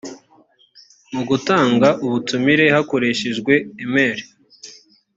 mu gutanga ubutumire hakoreshejwe email